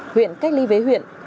huyện cách ly với huyện